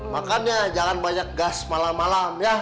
makannya jangan banyak gas malam malam ya